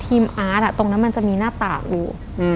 ทีมอาร์ตอะตรงนั้นมันจะมีหน้าตาอู๋